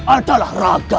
adalah raga putramu